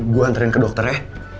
gue antarin ke dokter ya